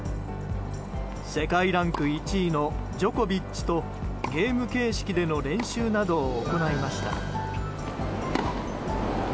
世界ランク１位のジョコビッチとゲーム形式での練習などを行いました。